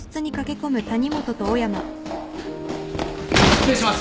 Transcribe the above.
失礼します！